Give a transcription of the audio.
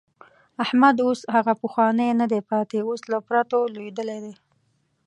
احمد اوس هغه پخوانی نه دی پاتې، اوس له پرتو لوېدلی دی.